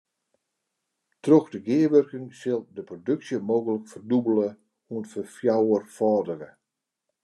Troch de gearwurking sil de produksje mooglik ferdûbelje oant ferfjouwerfâldigje.